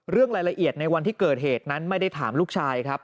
เรื่องรายละเอียดในวันที่เกิดเหตุนั้นไม่ได้ถามลูกชายครับ